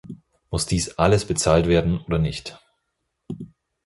Muss dies alles bezahlt werden oder nicht?